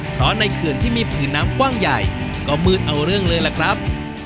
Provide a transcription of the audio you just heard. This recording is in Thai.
เพราะในเขื่อนที่มีผืนน้ำกว้างใหญ่ก็มืดเอาเรื่องเลยล่ะครับ